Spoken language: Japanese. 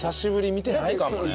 見てないかもね。